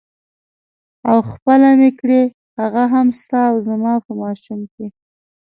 او خپله مې کړې هغه هم ستا او زما په ماشوم کې.